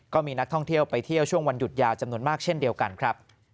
ก็มีนักท่องเที่ยวไปเที่ยวช่วงวันหยุดยาวจำนวนมากเช่นเดียวกันครับ